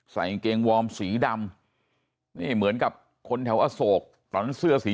กางเกงวอร์มสีดำนี่เหมือนกับคนแถวอโศกตอนนั้นเสื้อสี